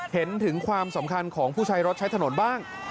เห็นถึงความสำคัญของผู้ใช้รถใช้ถนนบ้าง